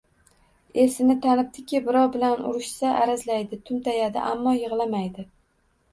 Esini tanibdiki, birov bilan urishsa, arazlaydi, tumtayadi, ammo yigʼlamaydi!